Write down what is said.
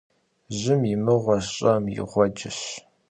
Жьым и мыгъуэщ, щӀэм и гъуэджэщ.